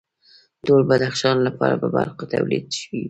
ټول بدخشان لپاره به برق تولید شوی و